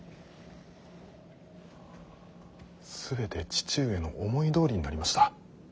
全て父上の思いどおりになりました。